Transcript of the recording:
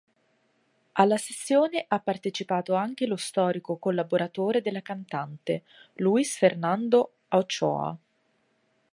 Alla sessione ha partecipato anche lo storico collaboratore della cantante, Luis Fernando Ochoa.